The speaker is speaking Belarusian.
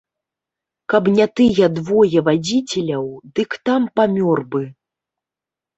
Каб не тыя двое вадзіцеляў, дык там памёр бы.